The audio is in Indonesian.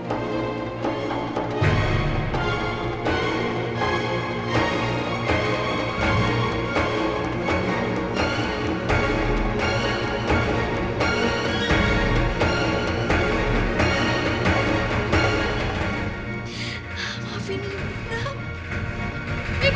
aku sedang berpikir